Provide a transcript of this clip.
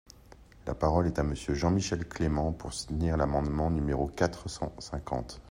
La parole est à Monsieur Jean-Michel Clément, pour soutenir l’amendement numéro quatre cent cinquante.